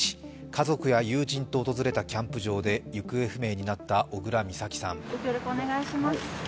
家族や友人と訪れたキャンプ場で行方不明になった小倉美咲さん。